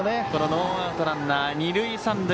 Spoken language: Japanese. ノーアウトランナー、二塁三塁。